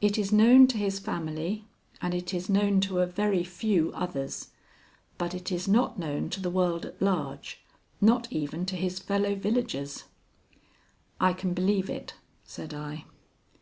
"It is known to his family, and it is known to a very few others, but it is not known to the world at large, not even to his fellow villagers.' "I can believe it," said I.